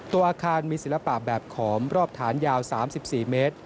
ตัวอาคารมีศิลปะแบบขอมรอบฐานยาว๓๔เมตร